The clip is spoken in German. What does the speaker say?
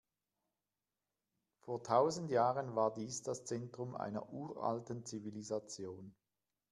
Vor tausend Jahren war dies das Zentrum einer uralten Zivilisation.